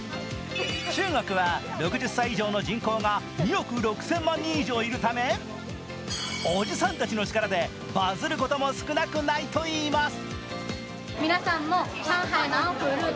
中国は６０歳以上の人口が２億６０００万人以上いるためおじさんたちの力で、バズることも少なくないといいます。